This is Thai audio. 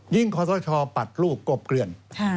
ยิ่งข้อสดช่อปัดรูปกบเคลื่อน